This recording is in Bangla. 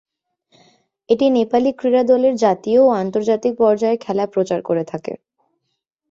এটি নেপালি ক্রীড়া দলের জাতীয় ও আন্তর্জাতিক পর্যায়ের খেলা প্রচার করে থাকে।